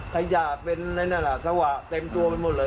จะเป็นอาหญ่าเสาะเต็มตัวไปหมดเลย